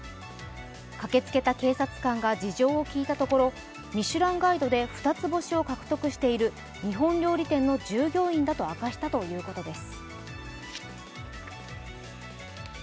駆けつけた警察官が事情を聴いたところミシュランガイドで二つ星を獲得している日本料理店の従業員だと明かしたということです。